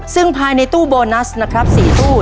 ซึ่งภายในตู้โบนัสนะครับ๔ตู้